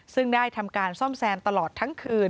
ซึ่งได้ทำการซ่อมแซมตลอดทั้งคืน